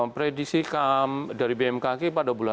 prediksi dari bmkg pada bulan